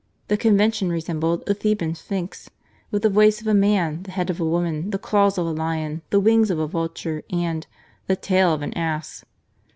The Con vention resembled the Theban Sphinx, with the voice of a man, the head of a woman, the claws of a lion, the wings of a vulture, and — the tail of an ass!